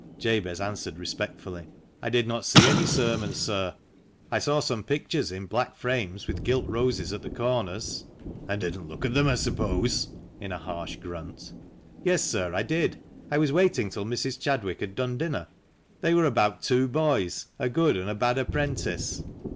Jabez answered respectfully —" I did not see any sermons, sir. I saw some pictures in black frames with gilt roses at the corners." "And didn't look at them, I suppose?" in a harsh grunt. " Yes, sir, I did ! I was waiting till Mrs. Chad wick had done dinner. They were about two boys — a good and a bad apprentice."